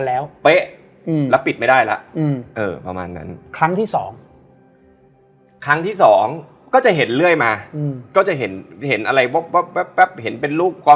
เราไปทำอะไรหรือเปล่า